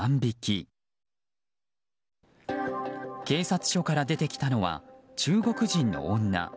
警察署から出てきたのは中国人の女。